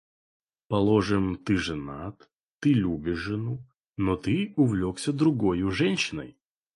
Положим, ты женат, ты любишь жену, но ты увлекся другою женщиной...